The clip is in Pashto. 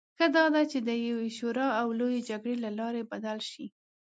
ښه دا ده چې د یوې شورا او لویې جرګې له لارې بدل شي.